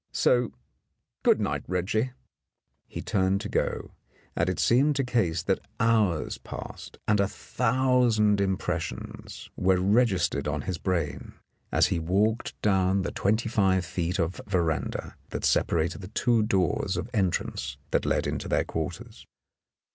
So good night, Reggie." He turned to go, and it seemed to Case that hours passed and a thousand impressions were registered 122 In the Dark on his brain as he walked down the twenty five feet of veranda that separated the two doors of entrance that led into their quarters.